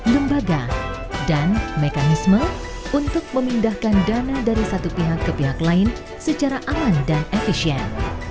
lembaga dan mekanisme untuk memindahkan dana dari satu pihak ke pihak lain secara aman dan efisien